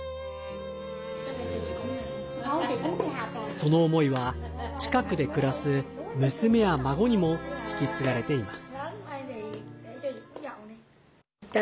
その思いは、近くで暮らす娘や孫にも引き継がれています。